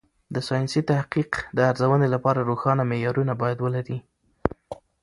د ساینسي تحقیق د ارزونې لپاره روښانه معیارونه باید ولري.